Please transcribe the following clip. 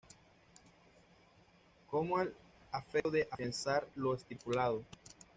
Como el afecto de afianzar lo estipulado.